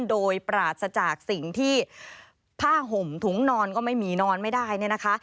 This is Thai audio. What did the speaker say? โดยปราศจากสิ่งที่ผ้าห่มถุงนอนก็ไม่มีนอนไม่ได้เนี่ยนะคะ